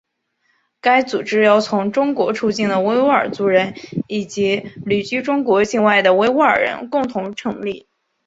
该组织由从中国出境的维吾尔族人以及旅居中国境外的维吾尔人共同成立。